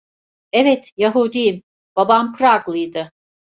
Evet, Yahudiyim, babam Praglıydı.